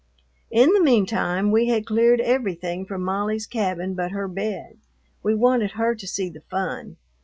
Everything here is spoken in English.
In the mean time we had cleared everything from Molly's cabin but her bed; we wanted her to see the fun.